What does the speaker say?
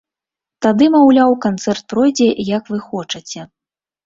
Тады, маўляў, канцэрт пройдзе, як вы хочаце.